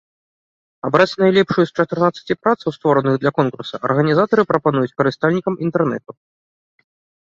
Абраць найлепшую з чатырнаццаці працаў, створаных для конкурса, арганізатары прапануюць карыстальнікам інтэрнэту.